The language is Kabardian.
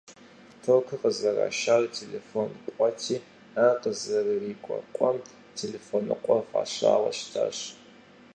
Токыр къызэрашар телефон пкъоти, ар къызэрырикӀуэ къуэм «Телефоныкъуэ» фӀащауэ щытащ.